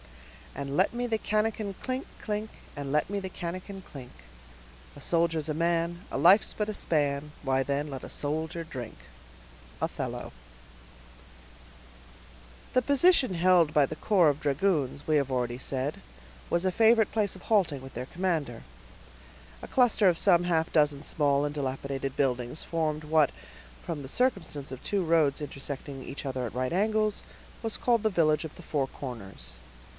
And let me the canakin clink, clink, And let me the canakin clink. A soldier's a man; A life's but a span; Why, then, let a soldier drink. —Othello. The position held by the corps of dragoons, we have already said, was a favorite place of halting with their commander. A cluster of some half dozen small and dilapidated buildings formed what, from the circumstance of two roads intersecting each other at right angles, was called the village of the Four Corners.